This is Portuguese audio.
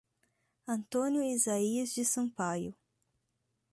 Antônio Izaias de Sampaio